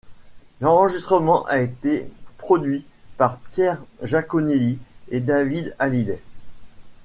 L'enregistrement a été produit par Pierre Jaconelli et David Hallyday.